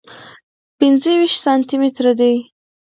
پنځه ویشت سانتي متره دی.